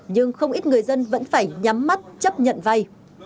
nhưng không ít người dân vẫn phải nhắm mắt chấp nhận vay